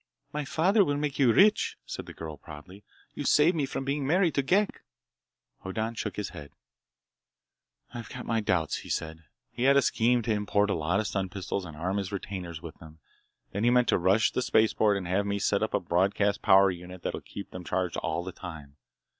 "My father will make you rich," said the girl proudly. "You saved me from being married to Ghek!" Hoddan shook his head. "I've got my doubts," he said. "He had a scheme to import a lot of stun pistols and arm his retainers with them. Then he meant to rush the spaceport and have me set up a broadcast power unit that'd keep them charged all the time.